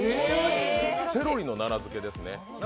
セロリの奈良漬ですね。